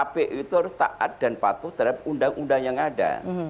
kpu itu harus taat dan patuh terhadap undang undang yang ada